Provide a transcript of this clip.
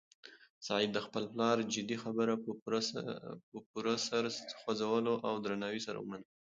سعید د خپل پلار جدي خبره په پوره سر خوځولو او درناوي سره ومنله.